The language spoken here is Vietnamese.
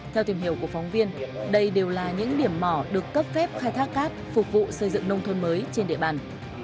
theo tìm hiểu của phóng viên đây đều là những điểm mỏ được cấp phép khai thác cát phục vụ xây dựng nông thôn mới trên địa bàn